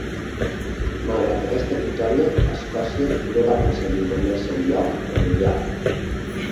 Malgrat aquesta victòria, Escòcia no va aconseguir guanyar-se un lloc al Mundial.